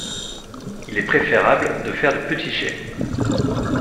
Il est préférable de faire de petits jets.